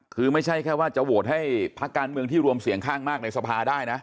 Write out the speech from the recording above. คือไม่ใช่แค่ว่าจะโหวตให้พักการเมืองที่รวมเสียงข้างมากในสภาได้นะ